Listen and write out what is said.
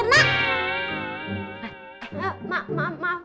ya nggak kenapa kenapa